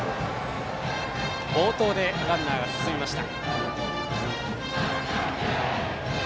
暴投でランナーが進みました。